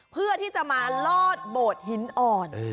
เพื่อที่จะมาลอดโบดหินอ่อน